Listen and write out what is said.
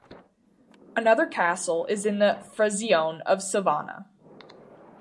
Another castle is in the "frazione" of Sovana.